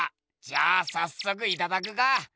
じゃあさっそくいただくか！